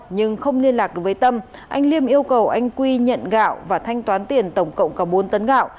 nhưng không liên lạc được với tâm anh liêm yêu cầu anh quy nhận gạo và thanh toán tiền tổng cộng có bốn tấn gạo